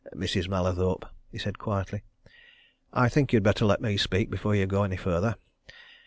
"Mrs. Mallathorpe!" he said quietly. "I think you had better let me speak before you go any further.